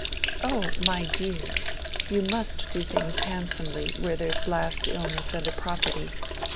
"Oh, my dear, you must do things handsomely where there's last illness and a property.